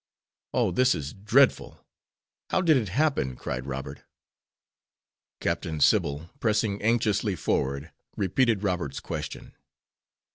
"O, this is dreadful! How did it happen?" cried Robert. Captain Sybil, pressing anxiously forward, repeated Robert's question.